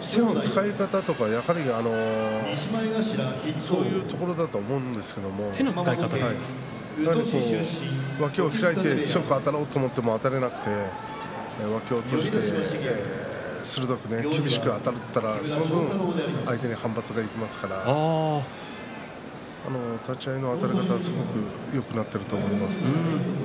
手の使い方とかやはり、そういうところだと思うんですけど脇を開いて強くあたろうと思ってもあたれなくて脇を閉じて鋭く厳しくあたったら、その分相手に反発がいきますから立ち合いのあたり方がすごくよくなっていると思います。